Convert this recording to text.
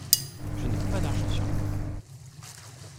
Je n’ai pas d’argent sur moi.